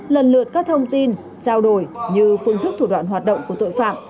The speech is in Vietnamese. lần lượt các thông tin trao đổi như phương thức thủ đoạn hoạt động của tội phạm